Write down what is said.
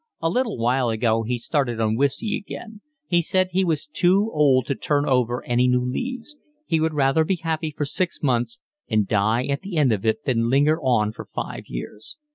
A little while ago he started on whiskey again. He said he was too old to turn over any new leaves. He would rather be happy for six months and die at the end of it than linger on for five years.